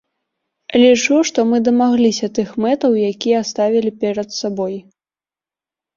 Лічу, што мы дамагліся тых мэтаў, якія ставілі перад сабой.